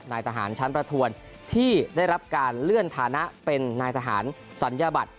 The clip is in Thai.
นายทหารชั้นประทวนที่ได้รับการเลื่อนฐานะเป็นนายทหารศัลยบัตร